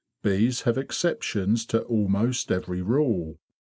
Bees have exceptions to almost every rule.